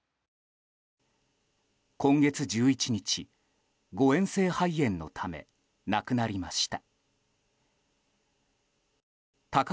今月１１日、誤嚥性肺炎のため亡くなりました。